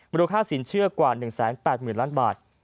มูลค่าสินเชื่อกว่า๑๘๐๐๐ล้านบาท